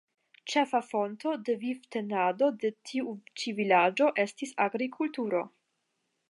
Ĉefa fonto de vivtenado de tiu ĉi vilaĝo estis agrikulturo.